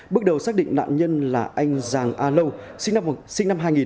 bước đầu xác định nạn nhân là anh giàng a lâu sinh năm hai nghìn